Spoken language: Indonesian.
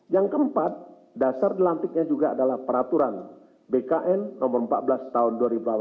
yang keempat dasar dilantiknya juga adalah peraturan bkn nomor empat belas tahun dua ribu delapan belas